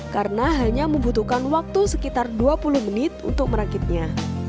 karena hanya membutuhkan waktu sekitar dua puluh menit untuk merakitnya